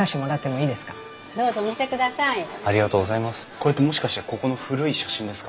これってもしかしてここの古い写真ですか？